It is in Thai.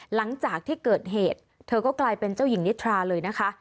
หลังจากที่เกิดเหตุเธอก็กลายเป็นเจ้าหญิงนิทราเลยนะคะ